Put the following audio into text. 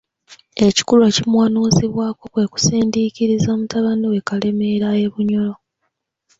Ekikulu ekimuwanuuzibwako kwe kusindiikiriza mutabani we Kalemeera e Bunyoro.